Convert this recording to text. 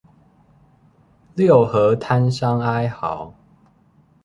六合攤商哀號